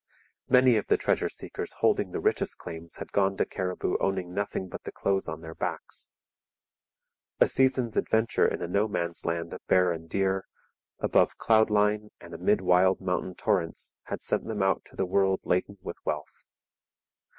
Many of the treasure seekers holding the richest claims had gone to Cariboo owning nothing but the clothes on their backs. A season's adventure in a no man's land of bear and deer, above cloud line and amid wild mountain torrents, had sent them out to the world laden with wealth.